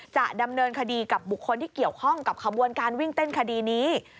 จะดำเนินคดีกับบุคคลที่เกี่ยวข้องกับขบวนการวิ่งเต้นคดีนี้